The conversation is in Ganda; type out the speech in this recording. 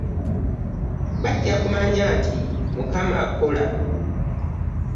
Bajja kumanya nti Mukama akola.